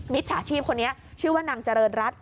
จฉาชีพคนนี้ชื่อว่านางเจริญรัฐ